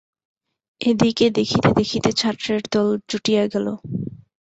এ দিকে দেখিতে দেখিতে ছাত্রের দল জুটিয়া গেল।